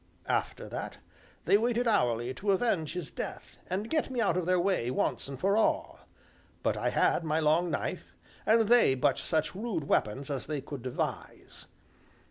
After that they waited hourly to avenge his death, and get me out of their way once and for all, but I had my long knife, and they but such rude weapons as they could devise.